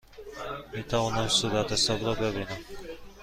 می توانم صورتحساب را ببینم؟